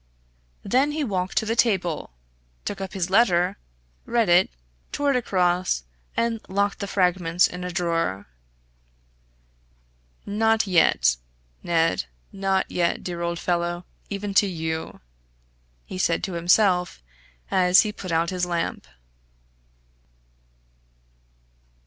Then he walked to the table, took up his letter, read it, tore it across, and locked the fragments in a drawer. "Not yet, Ned not yet, dear old fellow, even to you," he said to himself, as he put out his lamp.